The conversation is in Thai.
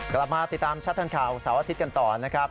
กลับมาติดตามชัดทางข่าวเสาร์อาทิตย์กันต่อนะครับ